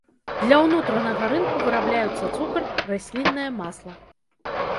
Для ўнутранага рынку вырабляюцца цукар, расліннае масла.